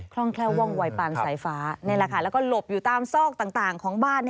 เขาแค่ว่องวัยป่านสายฟ้าแล้วก็หลบอยู่ตามซอกต่างของบ้าน